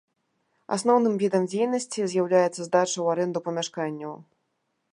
Асноўным відам дзейнасці з'яўляецца здача ў арэнду памяшканняў.